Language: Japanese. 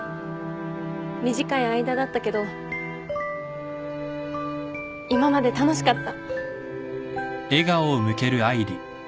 短い間だったけど今まで楽しかった。